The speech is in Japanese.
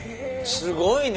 すごいね。